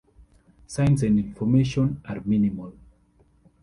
Signs and information are minimal.